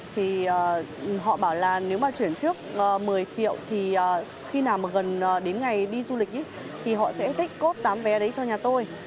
thì họ bảo là nếu mà chuyển trước một mươi triệu thì khi nào mà gần đến ngày đi du lịch thì họ sẽ trích cốt tám vé đấy cho nhà tôi